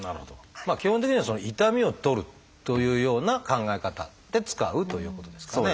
基本的には痛みを取るというような考え方で使うということですかね。